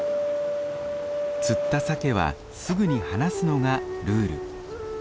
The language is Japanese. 釣ったサケはすぐに放すのがルール。